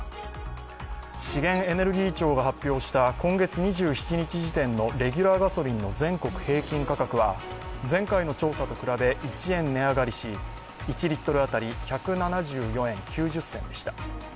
資源エネルギー庁が発表した今月２７日時点のレギュラーガソリンの全国平均価格は前回の調査と比べ１円値上がりし、１リットル当たり１７４円９０銭でした。